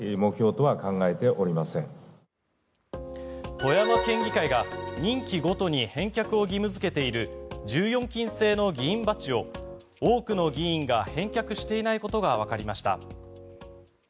富山県議会が任期ごとに返却を義務付けている１４金製の議員バッジを多くの議員が返却していないことがわかりました。